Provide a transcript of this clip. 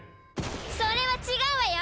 それは違うわよ！